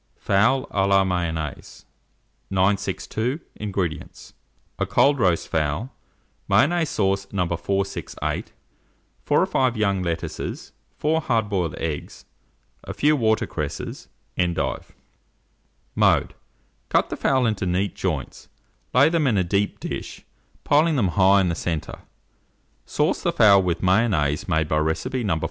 FOWL A LA MAYONNAISE. 962. INGREDIENTS. A cold roast fowl, Mayonnaise sauce No. 468, 4 or 5 young lettuces, 4 hard boiled eggs, a few water cresses, endive. Mode. Cut the fowl into neat joints, lay them in a deep dish, piling them high in the centre, sauce the fowl with Mayonnaise made by recipe No.